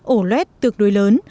ổ loét tược đối lớn